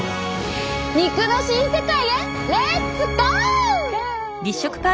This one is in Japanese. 肉の新世界へレッツゴー！